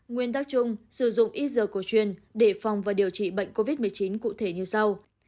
nguyên tắc chung sử dụng y dược cổ truyền để phòng và điều trị bệnh covid một mươi chín cụ thể như sau